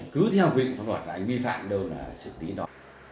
cứ theo quyền pháp luật là anh vi phạm đâu là xử lý đó